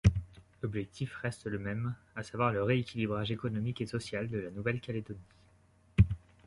L'objectif reste le même, à savoir le rééquilibrage économique et social de la Nouvelle-Calédonie.